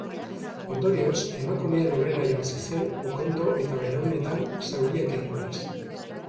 Ondorioz, emakumea lurrera jausi zen ukondo eta belaunetan zauriak eginez.